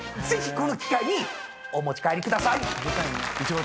ぜひこの機会にお持ち帰りください。